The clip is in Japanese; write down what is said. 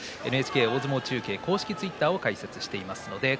ＮＨＫ大相撲中継は公式ツイッターを開設しています。